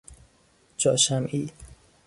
جا شمعی